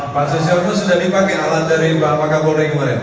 pak susiano sudah dipakai alat dari pak pakabore